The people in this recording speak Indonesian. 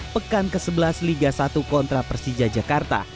pekan ke sebelas liga satu kontra persija jakarta